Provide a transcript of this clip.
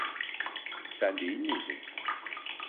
Sen değil miydin?